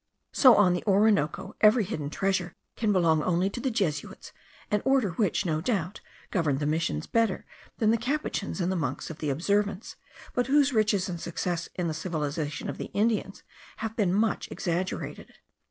so on the Orinoco every hidden treasure can belong only to the Jesuits, an order which, no doubt, governed the missions better than the Capuchins and the monks of the Observance, but whose riches and success in the civilization of the Indians have been much exaggerated.